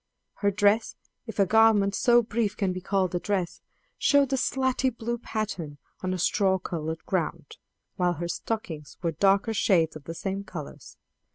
Her dress, if a garment so brief can be called a dress, showed a slaty blue pattern on a straw colored ground, while her stockings were darker shades of the same colors.